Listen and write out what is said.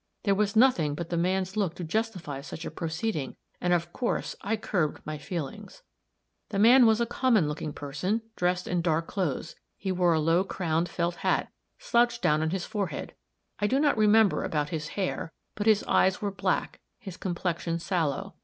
There was nothing but the man's look to justify such a proceeding, and of course I curbed my feelings. "The man was a common looking person, dressed in dark clothes; he wore a low crowned felt hat, slouched down on his forehead; I do not remember about his hair, but his eyes were black, his complexion sallow.